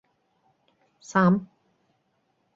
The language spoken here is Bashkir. — Сам.